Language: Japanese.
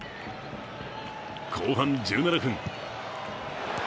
後半１７分。